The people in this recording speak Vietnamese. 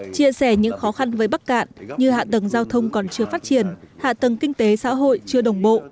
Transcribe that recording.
chia sẻ những khó khăn với bắc cạn như hạ tầng giao thông còn chưa phát triển hạ tầng kinh tế xã hội chưa đồng bộ